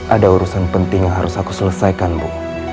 ada urusan penting yang harus aku selesaikan bu